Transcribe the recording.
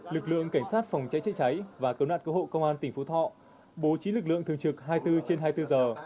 lực lượng cảnh sát phòng cháy chữa cháy và cứu nạn cứu hộ công an tỉnh phú thọ bố trí lực lượng thường trực hai mươi bốn trên hai mươi bốn giờ